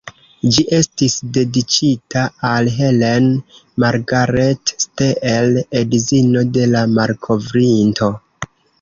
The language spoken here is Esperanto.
Ĝi estis dediĉita al "Helen Margaret Steel", edzino de la malkovrinto.